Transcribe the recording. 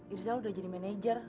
irzal udah jadi manajer